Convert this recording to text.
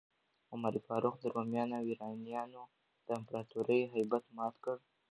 عمر فاروق د رومیانو او ایرانیانو د امپراتوریو هیبت مات کړ.